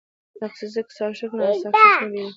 دا خصوصيتونه ساکښ له ناساکښ نه بېلوي.